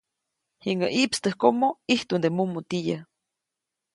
Jiŋäʼ ʼiʼpstäjkomo, ʼijtuʼnde mumutiyä.